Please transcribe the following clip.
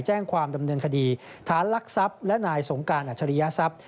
แจ้งความดำเนินคดีฐานลักทรัพย์และนายสงการอัจฉริยทรัพย์